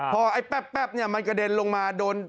พอไอ้แป๊บเนี่ยมันกระเด็นลงมาโดน